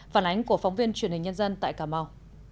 phản ánh của phóng viên truyền hình nhân dân tại cà mau